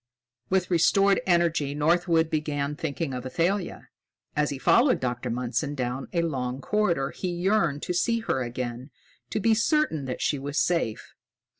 With restored energy, Northwood began thinking of Athalia. As he followed Dr. Mundson down a long corridor, he yearned to see her again, to be certain that she was safe.